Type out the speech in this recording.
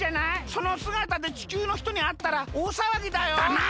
そのすがたでちきゅうの人にあったらおおさわぎだよ。だな！